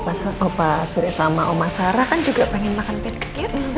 kasian opa suresama oma sarah kan juga pengen makan pancake